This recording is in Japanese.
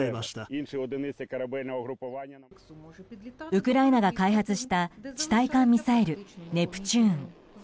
ウクライナが開発した地対艦ミサイル、ネプチューン。